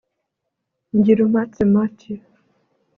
Ngirumpatse Mathieu